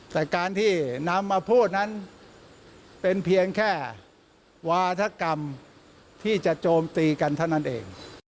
แต่การที่นำมาพูดนั้นเป็นเพียงแค่วาธกรรมที่จะโจมตีกันเท่านั้นเอง